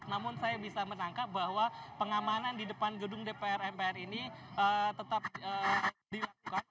namun saya bisa menangkap bahwa pengamanan di depan gedung dpr mpr ini tetap dilakukan